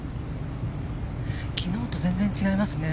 昨日と全然違いますね。